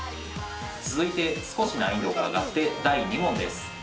◆続いて、少し難易度が上がって第２問です。